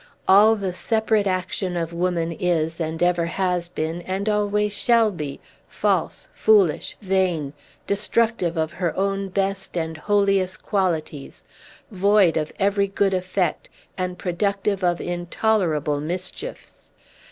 All the separate action of woman is, and ever has been, and always shall be, false, foolish, vain, destructive of her own best and holiest qualities, void of every good effect, and productive of intolerable mischiefs!